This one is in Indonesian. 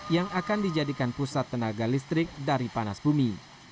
yang akan dijadikan pusat tenaga listrik dari panas bumi